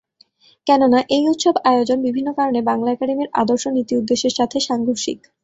কেননা এই উৎসব আয়োজন বিভিন্ন কারণে বাংলা একাডেমির আদর্শ-নীতি-উদেশ্যের সাথে সাংঘর্ষিক।